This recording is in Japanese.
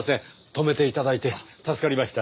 泊めて頂いて助かりました。